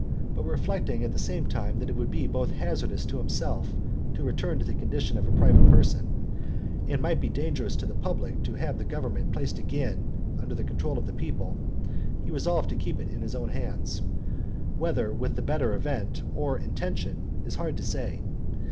But reflecting at the same time that it would be both hazardous to himself to return to the condition of a private person, and might be dangerous to the public to have the government placed again under the control of the people, he resolved to keep it in his own hands, whether with the better event or intention, is hard to say.